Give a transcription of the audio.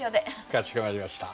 かしこまりました。